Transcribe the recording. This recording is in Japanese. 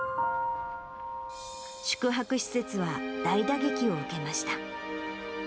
宿泊施設は大打撃を受けました。